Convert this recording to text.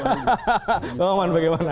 hahaha pak om man bagaimana